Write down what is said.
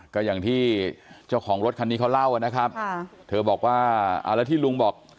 ก็อย่างที่เจ้าของรถคันนี้เขาเล่านะครับเธอบอกว่าเอาแล้วที่ลุงบอก